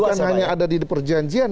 bukan hanya ada di perjanjian